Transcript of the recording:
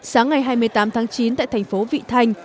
sáng ngày hai mươi tám tháng chín tại thành phố vị thanh